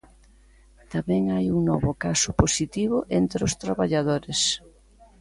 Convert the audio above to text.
Tamén hai un novo caso positivo entre os traballadores.